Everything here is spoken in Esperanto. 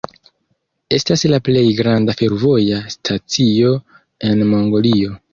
Estas la plej granda fervoja stacio en Mongolio.